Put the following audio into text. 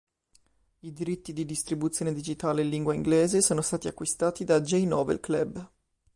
I diritti di distribuzione digitale in lingua inglese sono stati acquistati da J-Novel Club.